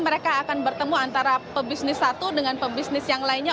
mereka akan bertemu antara pebisnis satu dengan pebisnis yang lainnya